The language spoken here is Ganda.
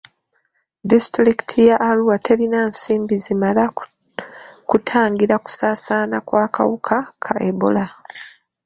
Disitulikiti ya Arua telina nsimbi zimala kutangira kusaasaana kw'akawuka ka Ebola.